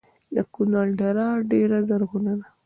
د کونړ دره ډیره زرغونه ده